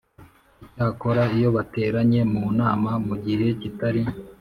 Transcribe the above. Icyakora iyo bateranye mu nama mu gihe kitari